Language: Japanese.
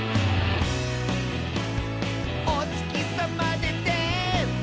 「おつきさまでて」